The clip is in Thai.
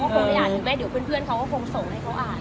เขาก็คงได้อ่านหรือไม่เดี๋ยวเพื่อนเขาก็คงส่งให้เขาอ่าน